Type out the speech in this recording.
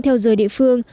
theo giờ địa phương